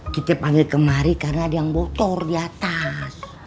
kita panggil kemari karena ada yang bocor di atas